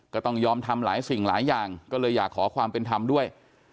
ก็ต้องยอมทำหลายสิ่งหลายอย่างก็เลยอยากขอความเป็นธรรมด้วย